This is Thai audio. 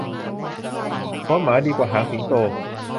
หัวหมาดีกว่าหางสิงโต